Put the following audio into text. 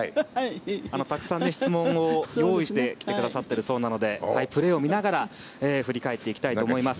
たくさん質問も用意してきてくださっているようなのでプレーを見ながら振り返っていきたいと思います。